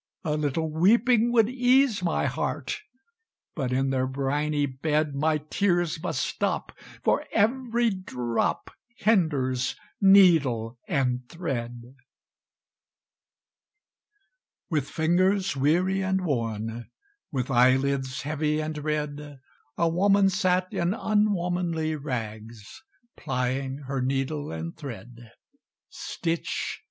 A little weeping would ease my heart, But in their briny bed My tears must stop, for every drop Hinders needle and thread!" With fingers weary and worn, With eyelids heavy and red, A woman sat in unwomanly rags, Plying her needle and thread Stitch!